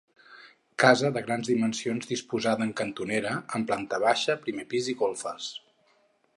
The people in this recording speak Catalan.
Casa de grans dimensions disposada en cantonera, amb planta baixa, primer pis i golfes.